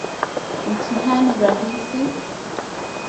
Mtihani rahisi